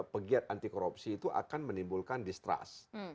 pegiat anti korupsi itu akan menimbulkan distrust